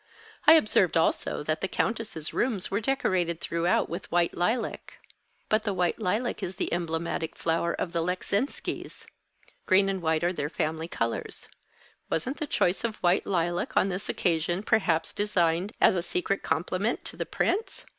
I observed also that the Countess's rooms were decorated throughout with white lilac. But the white lilac is the emblematic flower of the Leczinskis; green and white are their family colours. Wasn't the choice of white lilac on this occasion perhaps designed as a secret compliment to the Prince?